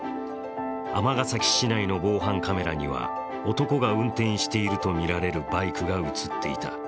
尼崎市内の防犯カメラには男が運転しているとみられるバイクが映っていた。